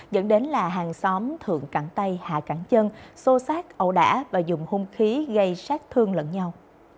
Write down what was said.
dẫn đến là hàng xóm thượng cẳng tay hạ cẳng chân xô xác ẩu đả và dùng hung khí gây sát thương lẫn nhau